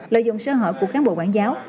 lợi dụng sơ hỏi của kháng bộ quảng giáo